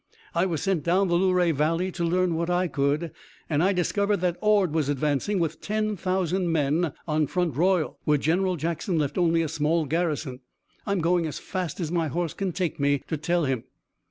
"I was sent down the Luray Valley to learn what I could and I discovered that Ord was advancing with ten thousand men on Front Royal, where General Jackson left only a small garrison. I'm going as fast as my horse can take me to tell him."